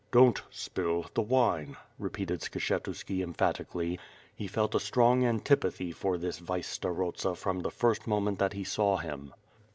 "Don't spill the wine," repeated Skshetuski emphatically. He felt a strong antipathy for this vice starosta from the first moment that he saw him.